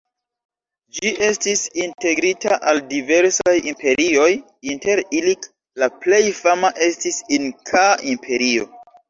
Ĝi estis integrita al diversaj imperioj, inter ili la plej fama estis Inkaa Imperio.